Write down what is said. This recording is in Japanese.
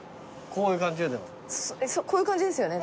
こういう感じですよね。